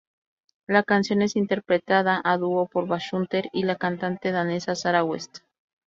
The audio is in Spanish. La canción es interpretada a dúo por Basshunter y la cantante danesa Sarah West.